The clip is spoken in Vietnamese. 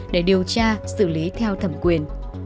để điều tra xử lý theo thẩm quyền